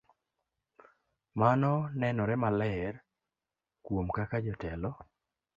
Mano nenore maler kuom kaka jotelo